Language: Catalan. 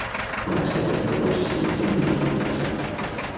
Una cèl·lula pot consistir en només una persona.